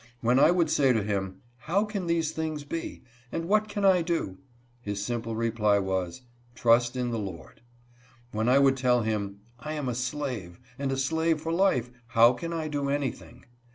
When I would say to him, "How can these things be ? and what can I do ?" his simple reply was, " Trust in the LordP When I would tell him, " I am a slave, and a slave for life, how can I do anything